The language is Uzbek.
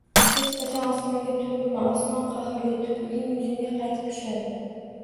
Hech qachon Osmonga tupurma! Osmon qahrli. Tupuging yuzingga qaytib tushadi!